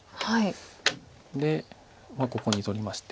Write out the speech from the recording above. まあここに取りまして。